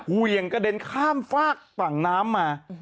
เหวี่ยงกระเด็นข้ามฝากฝั่งน้ำมา